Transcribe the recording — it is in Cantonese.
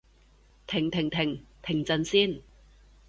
停停停！停陣先